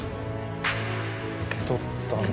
受け取ったんだ。